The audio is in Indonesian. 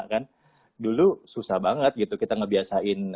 kan dulu susah banget gitu kita ngebiasain